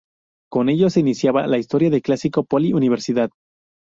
Con ello se iniciaba la historia del "Clásico Poli-Universidad".